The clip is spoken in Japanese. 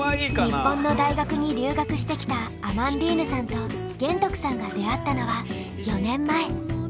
日本の大学に留学してきたアマンディーヌさんと玄徳さんが出会ったのは４年前。